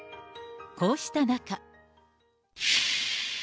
こうした中。